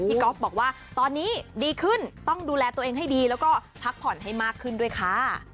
ก๊อฟบอกว่าตอนนี้ดีขึ้นต้องดูแลตัวเองให้ดีแล้วก็พักผ่อนให้มากขึ้นด้วยค่ะ